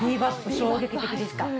衝撃的でした。